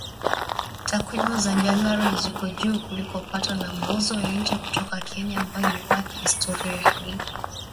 Takwimu za Januari ziko juu kuliko pato la mauzo ya nje kutoka Kenya, ambayo imekuwa kihistoria ni mshirika mkubwa zaidi wa kibiashara na Uganda